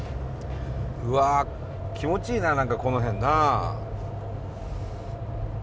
うわ気持ちいいな何かこの辺なあ。